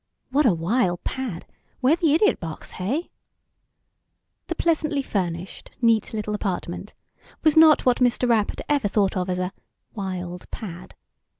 "What a wild pad. Where the idiot box, hey?" The pleasantly furnished, neat little apartment was not what Mr. Rapp had ever thought of as a "wild pad."